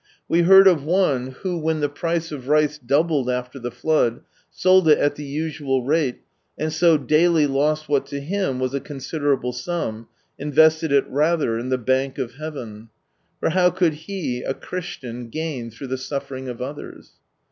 We heard of one who, when the price of rice doubled after the flood, sold it at the usual rate, and so daily lost what to him was a considerable sum (invested it rather in the bank of heaven). For how could he, a Christian, gain through the suffering of others